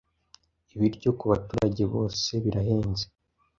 Ibiryo ku baturage bose birahenze